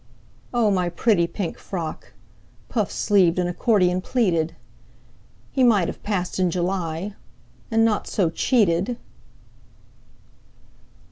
"O my pretty pink frock, Puff sleeved and accordion pleated! He might have passed in July, And not so cheated!"